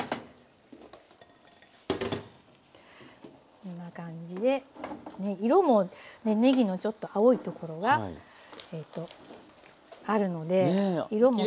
こんな感じで色もねぎのちょっと青いところがあるので。